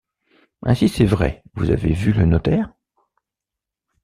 Ainsi, c’est vrai, vous avez vu le notaire?